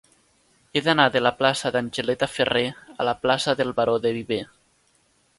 He d'anar de la plaça d'Angeleta Ferrer a la plaça del Baró de Viver.